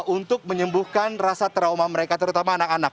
untuk menyembuhkan rasa trauma mereka terutama anak anak